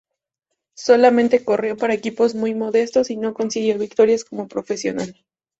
Solamente corrió para equipos muy modestos y no consiguió victorias como profesional.